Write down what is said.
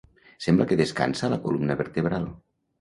Sembla que descansa la columna vertebral.